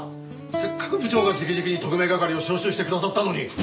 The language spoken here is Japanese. せっかく部長が直々に特命係を招集してくださったのに！